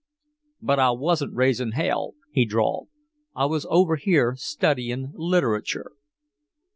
"But I wasn't raising hell," he drawled. "I was over here studying literature."